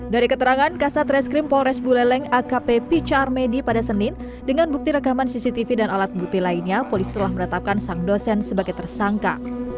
dari keterangan kasat reskrim polres buleleng akp picharmedi pada senin dengan bukti rekaman cctv dan alat bukti lainnya polisi telah menetapkan sang dosen sebagai tersangka